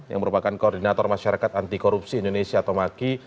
yang merupakan koordinator masyarakat anti korupsi indonesia tomaki